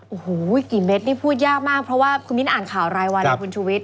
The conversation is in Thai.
โอ้โหกี่เม็ดนี่พูดยากมากเพราะว่าคุณมิ้นอ่านข่าวรายวันเลยคุณชุวิต